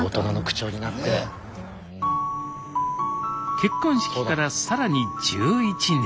結婚式からさらに１１年。